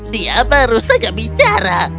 dia baru saja bicara